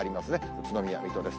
宇都宮、水戸です。